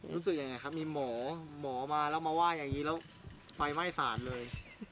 รู้สึกยังไงครับมีหมอหมอมาแล้วมาไหว้อย่างนี้แล้วไฟไหม้สาดเลย